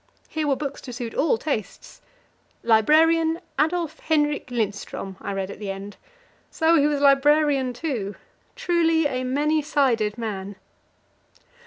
Here were books to suit all tastes; "Librarian, Adolf Henrik Lindström," I read at the end. So he was librarian, too truly a many sided man.